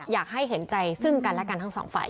อยากให้เห็นใจซึ่งกันและกันทั้งสองฝ่าย